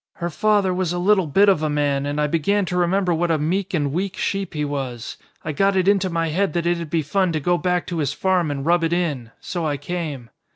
Her father was a little bit of a man and I began to remember what a meek and weak sheep he was. I got it into my head that it'd be fun to go back to his farm and rub it in. So I came.